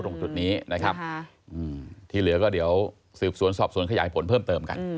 ตรงจุดนี้นะครับที่เหลือก็เดี๋ยวสืบสวนสอบสวนขยายผลเพิ่มเติมกัน